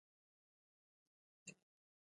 تاریخي کرښه تېره شوې ده.